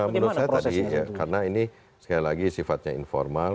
menurut saya tadi ya karena ini sekali lagi sifatnya informal